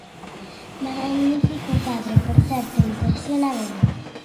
Magnífico cadro, por certo, impresiona velo.